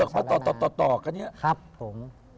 เอาเขาเปลือกมาต่อต่อกันเนี่ยครับผมชาวร้านาครับ